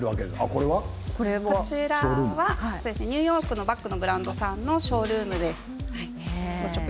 これはニューヨークのバッグのブランドさんのショールームです。